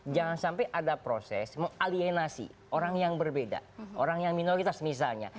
jangan sampai ada proses mengalienasi orang yang berbeda orang yang minoritas misalnya